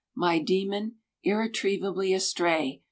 My demon, irretrievably astray.